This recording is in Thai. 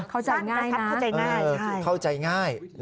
เข้าใจง่ายนะเข้าใจง่าย